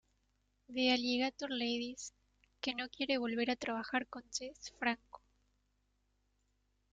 The Alligator Ladies", que no quiere volver a trabajar con Jess Franco.